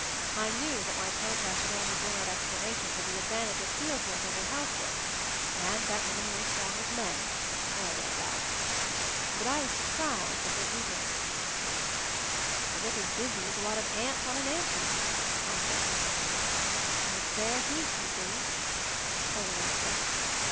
I knew that my pro test would only bring out explanations of the advantage of field work over house work — and that women were as strong as men — or thereabouts. But I was surprised at their eagerness. 182 MOVING THE MOUNTAIN "They look as busy as a lot of ants on an ant heap/ 9 I said. "It's their heap, you see," Owen an swered.